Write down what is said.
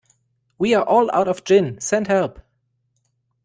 We’re all out of gin: send help!